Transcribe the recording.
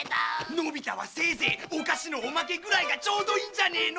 のび太はせいぜいお菓子のおまけぐらいがちょうどいいんじゃねえの？